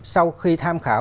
sau khi tham khảo